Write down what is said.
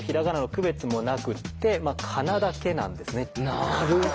なるほどね。